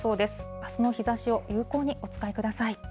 あすの日ざしを有効にお使いください。